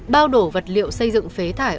bao đổ vật liệu xây dựng phế thải